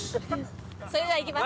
それではいきます。